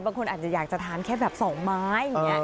บางคนอาจจะอยากจะทานแค่แบบ๒ไม้อย่างนี้